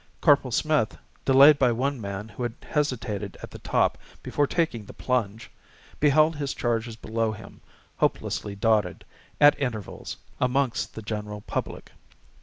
Corporal Smith, delayed by one man who had hesitated at the top before taking the plunge, beheld his charges below him, hopelessly dotted, at intervals, amongst the general public.